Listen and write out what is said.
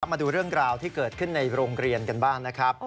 มาดูเรื่องราวที่เกิดขึ้นในโรงเรียนกันบ้างนะครับ